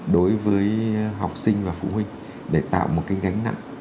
đối với học sinh và phụ huynh để tạo một cái gánh nặng